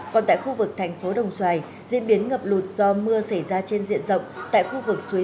còn tại khu vực thành phố đồng xoài diễn biến ngập lụt do mưa xảy ra trên diện rộng tại khu vực suối